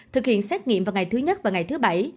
thực hiện xét nghiệm vào ngày thứ nhất và ngày thứ bảy